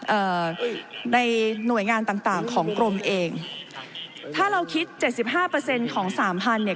เอ่อในหน่วยงานต่างต่างของกรมเองถ้าเราคิดเจ็ดสิบห้าเปอร์เซ็นต์ของสามพันเนี่ย